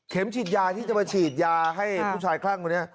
ฉีดยาที่จะมาฉีดยาให้ผู้ชายคลั่งคนนี้